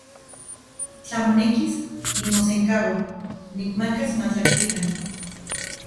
Tla monekis, nimosenkaua nikmakas matlaktipan.